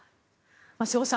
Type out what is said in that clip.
瀬尾さん